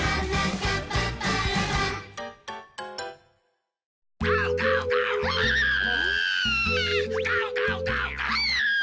ガオガオガオ！